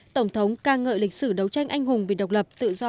tổng thống ca ngợi lịch sử đấu tranh anh hùng vì độc lập tự do